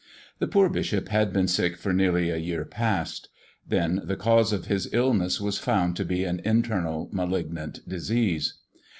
The poor bishop had been sick for nearly a year past. Then the cause of his illness was found to be an internal malignant disease.